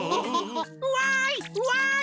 わいわい